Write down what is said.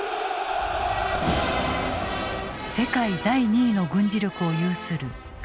世界第２位の軍事力を有するロシア軍。